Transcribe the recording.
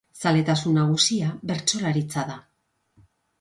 Zaletasun nagusia bertsolaritza da.